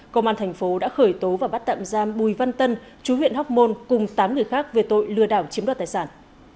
công an thành phố đã khởi tố và bắt tạm giam bùi văn tân chú huyện hóc môn cùng tám người khác về tội lừa đảo chiếm đoạt tài sản